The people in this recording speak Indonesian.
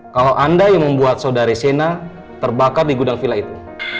kalau anda yang membuat saudari sena terbakar di gudang villa itu